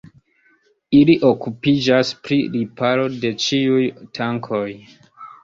Ili okupiĝas pri riparo de ĉiuj tankoj.